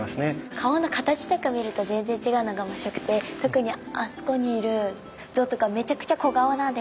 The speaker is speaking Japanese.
顔の形とか見ると全然違うのが面白くて特にあそこにいる像とかめちゃくちゃ小顔なんですよ。